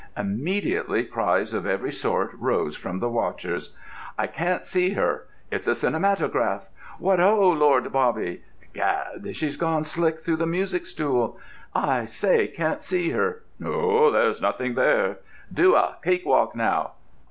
Immediately cries of every sort rose from the watchers. "I can't see her." "It's a cinematograph!" "What ho, Lord Bobby!" "Gad, she's gone slick through the music stool." "I still can't see her." "No, there's nothing there." "Do a cakewalk, now!"